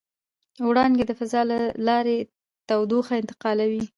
وړانګه د فضا له لارې تودوخه انتقالوي.